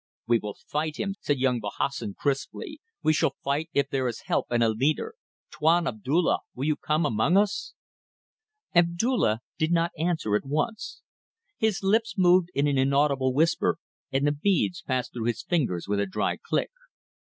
"We will fight him," said young Bahassoen, crisply. "We shall fight if there is help and a leader. Tuan Abdulla, will you come among us?" Abdulla did not answer at once. His lips moved in an inaudible whisper and the beads passed through his fingers with a dry click.